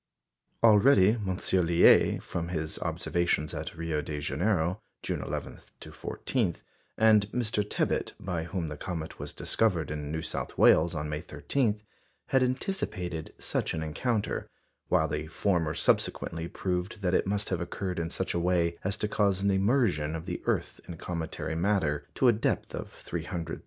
Already M. Liais, from his observations at Rio de Janeiro, June 11 to 14, and Mr. Tebbutt, by whom the comet was discovered in New South Wales on May 13, had anticipated such an encounter, while the former subsequently proved that it must have occurred in such a way as to cause an immersion of the earth in cometary matter to a depth of 300,000 miles.